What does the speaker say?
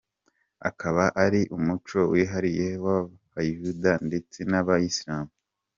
Akaba ari umuco wihariye w’Abayuda ndetse n’Abayisilamu.